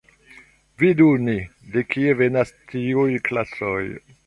Vidu ni, de kie venas tiuj klasoj.